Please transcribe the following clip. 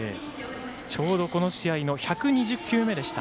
ちょうどこの試合の１２０球目でした。